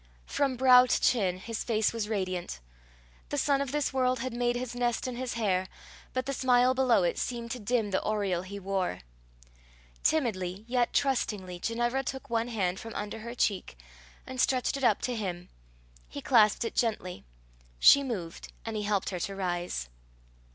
From brow to chin his face was radiant. The sun of this world had made his nest in his hair, but the smile below it seemed to dim the aureole he wore. Timidly yet trustingly Ginevra took one hand from under her cheek, and stretched it up to him. He clasped it gently. She moved, and he helped her to rise.